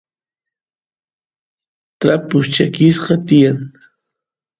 trapus chakisqa tiyan